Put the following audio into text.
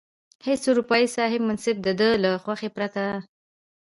هیڅ اروپايي صاحب منصب د ده له خوښې پرته.